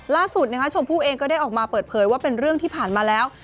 ล่าสุดชมพู่เองก็ได้ออกมาเปิดเผยว่าเป็นเรื่องที่ผ่านมาแล้ว